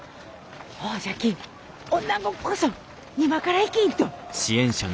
ほんじゃきおなごこそ今から生きんと！